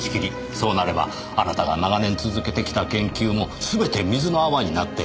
そうなればあなたが長年続けてきた研究も全て水の泡になってしまう。